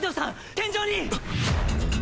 天井に！